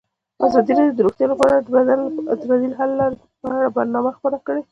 ازادي راډیو د روغتیا لپاره د بدیل حل لارې په اړه برنامه خپاره کړې.